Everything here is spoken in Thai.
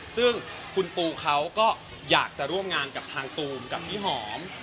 ซึ่งคุณปูเขาก็อยากจะร่วมงานกับทางตูมกับพี่หอม